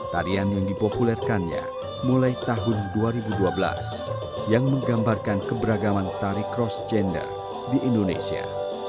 tarian yang dipopulerkannya mulai tahun dua ribu dua belas yang menggambarkan keberagaman tari cross gender di indonesia